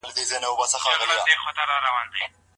ميرمن څنګه د خاوند د منافعو مخه نيسي؟